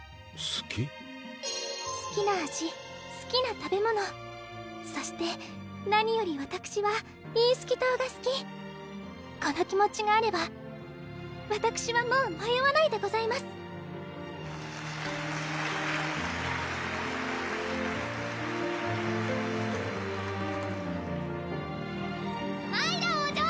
すきな味すきな食べ物そして何よりわたくしはイースキ島がすきこの気持ちがあればわたくしはもうまよわないでございますマイラ王女！